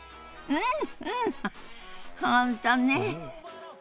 うん！